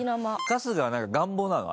春日は願望なの？